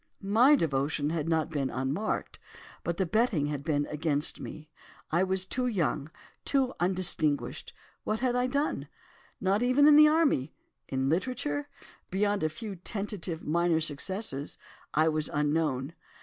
"My devotion had not been unmarked, but the betting had been against me. I was too young, too undistinguished—what had I done? not even in the army—in literature, beyond a few tentative minor successes, I was unknown.